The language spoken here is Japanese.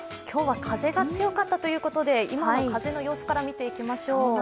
今日は風が強かったということで今の風の様子から見ていきましょう。